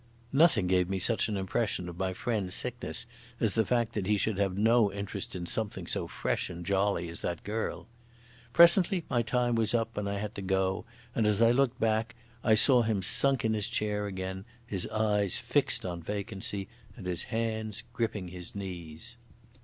Nothing gave me such an impression of my friend's sickness as the fact that he should have no interest in something so fresh and jolly as that girl. Presently my time was up and I had to go, and as I looked back I saw him sunk in his chair again, his eyes fixed on vacancy, and his hands gripping his knees.